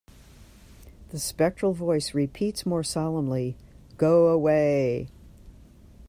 The spectral voice repeats more solemnly, "Go away!"